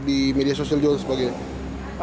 di media sosial dan sebagainya